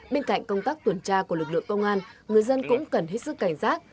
bên cạnh công tác tuần tra của lực lượng công an người dân cũng cần hết sức cảnh giác